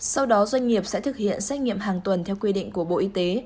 sau đó doanh nghiệp sẽ thực hiện xét nghiệm hàng tuần theo quy định của bộ y tế